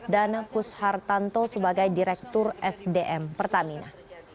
pushartanto sebagai direktur sdm pertamina